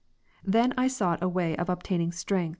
Then I sought a way of obtaining strength, 1 Tim.